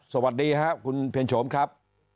สวัสดีครับคุณเพ็ญโฉมครับ